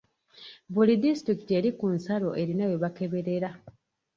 Buli disitulikiti eri ku nsalo erina we bakeberera.